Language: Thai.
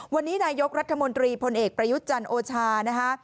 วันนี้นายกรัฐมนตรีพลเอกประยุทธ์จันทร์โอชานะคะ